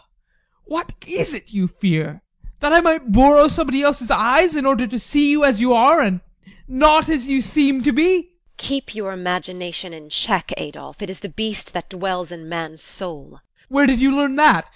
What is it you fear? That I might borrow somebody else's eyes in order to see you as you are, and not as you seem to be? TEKLA. Keep your imagination in check, Adolph! It is the beast that dwells in man's soul. ADOLPH. Where did you learn that?